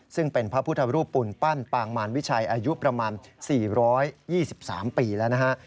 ซึ่งเป็นพระพุทธรูปปุ่นปั้นปางมารวิชัยอายุประมาณ๔๒๓ปีแล้วนะฮะ